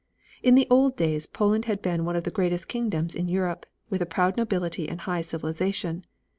In the old days Poland had been one of the greatest kingdoms in Europe, with a proud nobility and high civilization.